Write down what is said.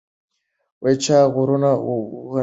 چا غرونه ونړول؟